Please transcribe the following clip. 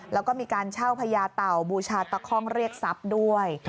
แล้วก็มีการเช่าพญาเต่าบูชาตะค่องเรียกทรัพย์ด้วย